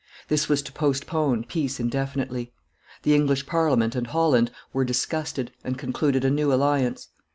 This was to postpone peace indefinitely. The English Parliament and Holland were disgusted, and concluded a new alliance.